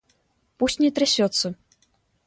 Пусть не трясется!